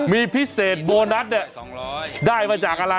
มีพิเศษโบนัสเนี่ยได้มาจากอะไร